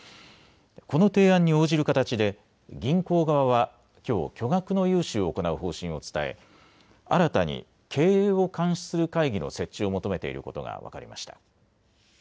この提案に応じる形で銀行側はきょう巨額の融資を行う方針を伝え、新たに経営を監視する会議の設置を求めていることが分かりました。